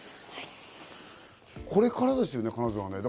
これからですよね、金沢は。